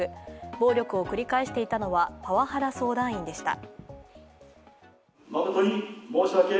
暴力を繰り返していたのはパワハラ相談員でした。